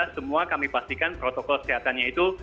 semua kami pastikan protokol kesehatannya itu